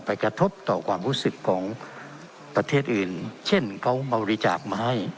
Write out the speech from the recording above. กระทบต่อความรู้สึกของประเทศอื่นเช่นเขาเอาบริจาคมาให้